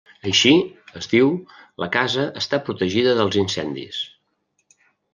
Així, es diu, la casa està protegida dels incendis.